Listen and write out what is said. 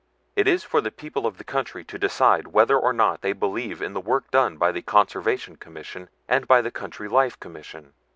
It is for the people of the country to decide whether or not they believe in the work done by the Conservation Commission and by the Country Life Commission.